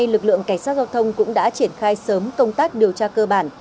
lực lượng cảnh sát giao thông cũng đã triển khai sớm công tác điều tra cơ bản